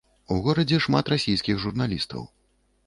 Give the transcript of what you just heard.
У горадзе шмат расійскіх журналістаў.